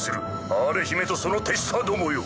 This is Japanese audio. アーレ姫とその手下どもよ。